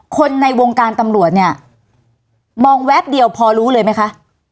คนในวงการตำรวจเนี่ยมองแวบเดียวพอรู้เลยไหมคะ